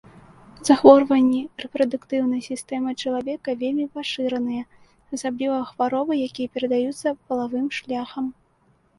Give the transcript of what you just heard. Захворванні рэпрадуктыўнай сістэмы чалавека вельмі пашыраныя, асабліва хваробы, якія перадаюцца палавым шляхам.